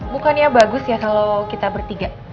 bukannya bagus ya kalau kita bertiga